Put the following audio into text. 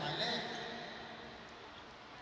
สวัสดีครับ